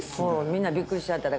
みんなびっくりしはった。